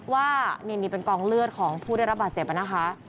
ว่านี่เป็นกองเลือดของผู้ได้รับบาดเจ็บนะคะ